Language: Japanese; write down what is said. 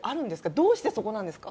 どうしてそこなんですか？